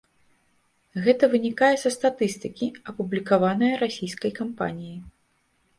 Гэта вынікае са статыстыкі, апублікаваная расійскай кампаніяй.